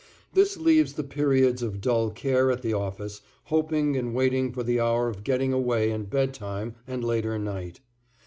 This leaves the periods of dull care at the office, hoping and waiting for the hour of getting away and bedtime and later night.